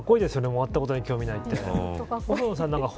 終わったことに興味ないって。